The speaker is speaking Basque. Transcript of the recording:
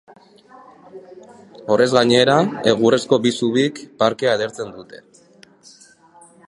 Horrez gainera, egurrezko bi zubik parkea edertzen dute.